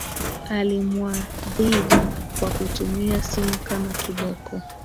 Alimwadhibu kwa kutumia simu kama kiboko.